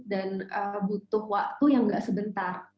dan butuh waktu yang nggak sebentar